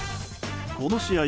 この試合